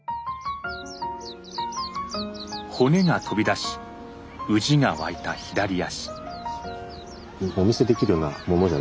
骨が飛び出しうじが湧いた左足。